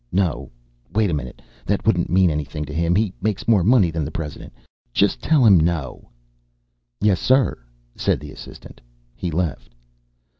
No, wait a minute, that wouldn't mean anything to him he makes more money than the President. Just tell him no." "Yes, sir," said the assistant. He left.